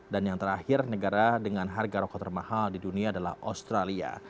dan yang terakhir negara dengan harga rokok termahal di dunia adalah australia